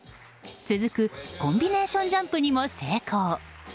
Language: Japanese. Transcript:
続くコンビネーションジャンプにも成功。